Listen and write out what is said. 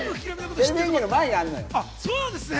その前にあるのよ。